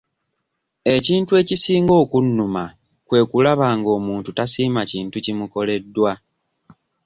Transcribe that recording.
Ekintu ekisinga okunnuma kwe kulaba ng'omuntu tasiima kintu kimukoleddwa.